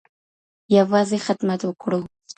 يوازې خدمت وکړو.